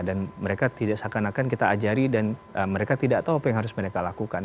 dan mereka tidak seakan akan kita ajari dan mereka tidak tahu apa yang harus mereka lakukan